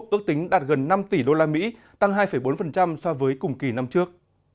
ước tính đạt gần năm tỷ usd tăng hai bốn so với cùng kỳ năm trước